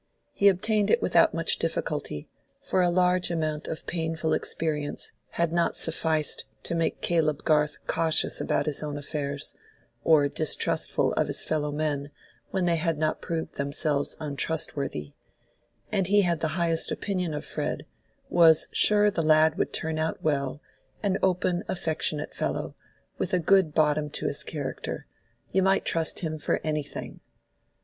He obtained it without much difficulty, for a large amount of painful experience had not sufficed to make Caleb Garth cautious about his own affairs, or distrustful of his fellow men when they had not proved themselves untrustworthy; and he had the highest opinion of Fred, was "sure the lad would turn out well—an open affectionate fellow, with a good bottom to his character—you might trust him for anything."